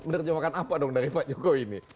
menerjemahkan apa dong dari pak jokowi ini